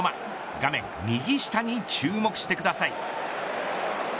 画面右下に注目してください。